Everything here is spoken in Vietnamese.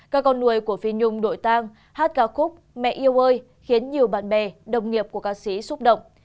các con nuôi của phi nhung đội tang hát ca khúc mẹ yêu ơi khiến nhiều bạn bè đồng nghiệp của ca sĩ xúc động